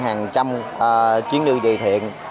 hàng trăm chuyến đi địa thiện